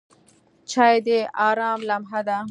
چای د آرام لمحه ده.